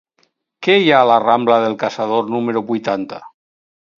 Què hi ha a la rambla del Caçador número vuitanta?